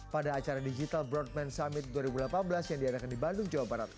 pada acara digital broadman summit dua ribu delapan belas yang diadakan di bandung jawa barat